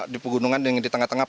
di pegunungan di tengah tengah